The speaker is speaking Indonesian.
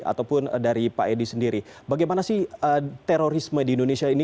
ataupun dari pak edi sendiri bagaimana sih terorisme di indonesia ini